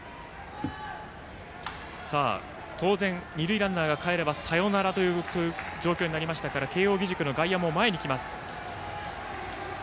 当然二塁ランナーがかえればサヨナラという状況になりましたから慶応義塾の外野も前に来ます。